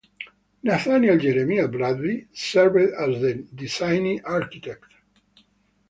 Nathaniel Jeremiah Bradlee served as the designing architect.